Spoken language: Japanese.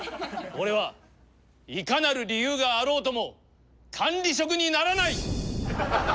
俺はいかなる理由があろうとも管理職にならない！